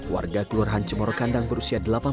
warga keluarhan cemorokandang berusia delapan tahun